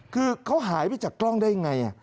คือเขาหายไปจากกล้องได้ยังไง